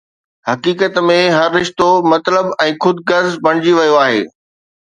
حقيقت ۾، هر رشتو مطلب ۽ خود غرض بڻجي ويو آهي